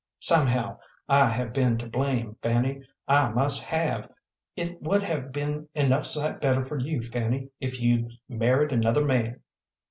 Somehow, I have been to blame, Fanny. I must have. It would have been enough sight better for you, Fanny, if you'd married another man."